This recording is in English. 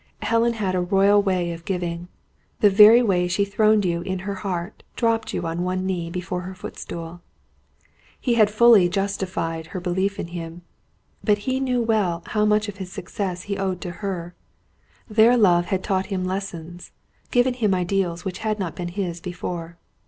Helen had a royal way of giving. The very way she throned you in her heart, dropped you on one knee before her footstool. He had fully justified her belief in him; but he well knew how much of his success he owed to her. Their love had taught him lessons, given him ideals which had not been his before.